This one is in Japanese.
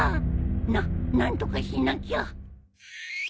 な何とかしなきゃ！